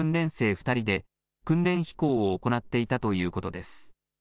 ２人で、訓練飛行を行っていたということです。